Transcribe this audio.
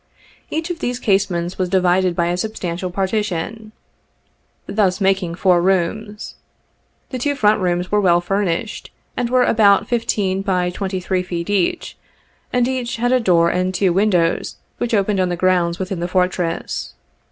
Each of these casemates was divided by a substantial partition, thus making four rooms. The two front rooms were well finished, and were about fifteen by twenty three feet each, and each had a door and two windows which opened on the grounds within the Fortress.